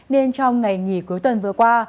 nên trong ngày nghỉ cuối tuần vừa qua